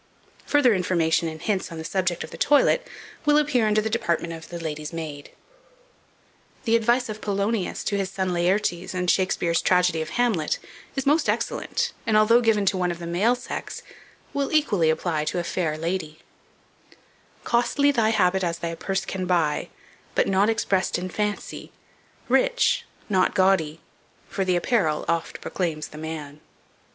Further information and hints on the subject of the toilet will appear under the department of the "LADY'S MAID." The advice of Polonius to his son Laertes, in Shakspeare's tragedy of "Hamlet," is most excellent; and although given to one of the male sex, will equally apply to a "fayre ladye:" "Costly thy habit as thy purse can buy, But not express'd in fancy; rich, not gaudy; For the apparel oft proclaims the man."